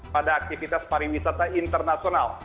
pada aktivitas pariwisata internasional